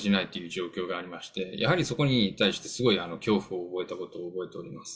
状況がありまして、やはりそこに対してすごく恐怖を覚えたことを覚えております。